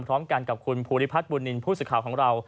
พร้อมกันกับคุณภูริพัฒน์บุญนินทร์ผู้สื่อข่าวของเรา